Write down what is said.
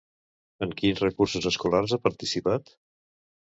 En quins recursos escolars ha participat?